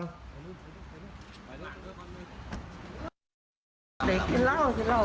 เด็กกินเหล้า